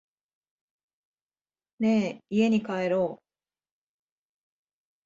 ねぇ、家に帰ろう。